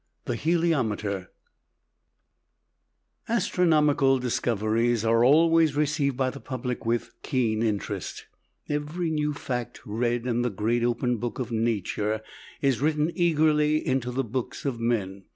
THE HELIOMETER Astronomical discoveries are always received by the public with keen interest. Every new fact read in the great open book of nature is written eagerly into the books of men.